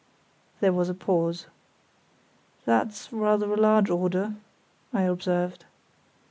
There was a pause. "That's rather a large order," I observed.